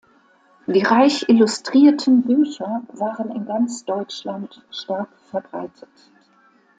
Die reich illustrierten Bücher waren in ganz Deutschland stark verbreitet.